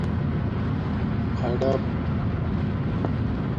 خَڈپ